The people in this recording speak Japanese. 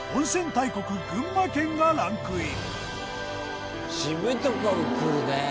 大国群馬県がランクイン。